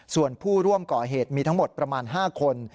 ส่วนผู้ร่วมก่อเหตุมีทั้งหมดประมาณ๕คน